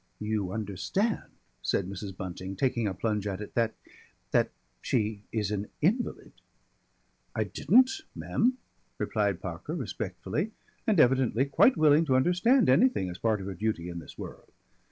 "You understand," said Mrs. Bunting, taking a plunge at it, "that that she is an invalid." "I didn't, Mem," replied Parker respectfully, and evidently quite willing to understand anything as part of her duty in this world.